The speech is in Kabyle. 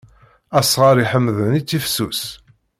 Asɣar iḥemḍen ittifsus.